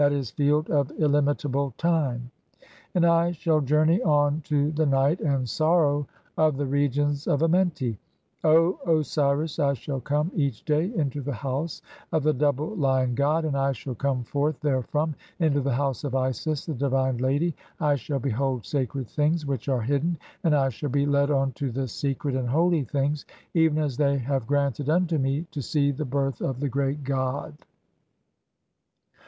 e., Field "of illimitable time), (3o) and I shall journey on to the night and "sorrow of the regions of Amenti. O Osiris, I shall come each "day into the House of the double Lion god, and I shall come "forth therefrom into the House of (3i) Isis, the divine lady. "I shall behold sacred things which are hidden, and I shall be "led on to the secret and holy things, even as they have granted "unto me (32) to see the birth of the Great God.